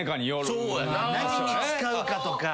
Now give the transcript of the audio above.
何に使うかとか。